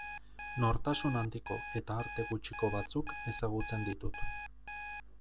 Nortasun handiko eta arte gutxiko batzuk ezagutzen ditut.